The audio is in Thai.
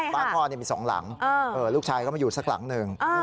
บ้านพ่อมี๒หลังลูกชายก็มาอยู่สักหลังหนึ่ง